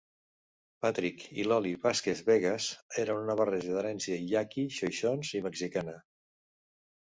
Patrick i Lolly Vasquez-Vegas eren una barreja d'herència yaqui, xoixons i mexicana.